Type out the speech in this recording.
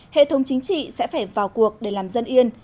hệ thống chính trị sẽ phải vào cuộc để làm dân yên